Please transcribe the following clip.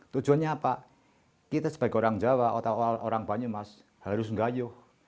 tujuannya apa kita sebagai orang jawa atau orang banyumas harus ngayuh